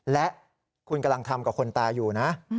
และคุณกำลังทำกับคนตายอยู่นะ